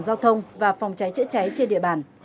giao thông và phòng cháy chữa cháy trên địa bàn